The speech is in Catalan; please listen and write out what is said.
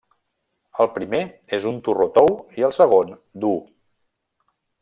El primer és un torró tou i el segon dur.